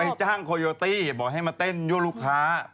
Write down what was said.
จ้างโคโยตี้บอกให้มาเต้นยั่วลูกค้า